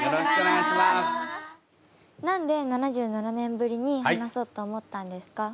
何で７７年ぶりに話そうと思ったんですか？